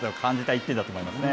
１点だと思いますね。